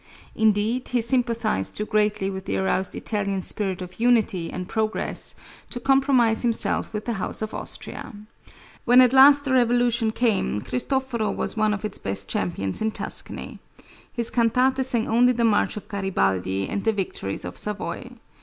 Indeed, he sympathized too greatly with the aroused Italian spirit of unity and progress to compromise himself with the house of Austria. When at last the revolution came, Cristoforo was one of its best champions in Tuscany. His cantante sang only the march of Garibaldi and the victories of Savoy.